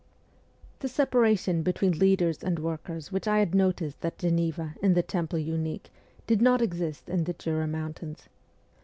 The separation between leaders and workers which I had noticed at Geneva in the Temple Unique did not exist in the Jura Mountains.